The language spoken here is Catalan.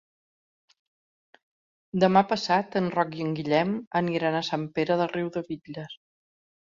Demà passat en Roc i en Guillem aniran a Sant Pere de Riudebitlles.